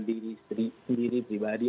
diri sendiri pribadi